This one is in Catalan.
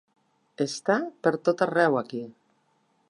Està per tot arreu aquí.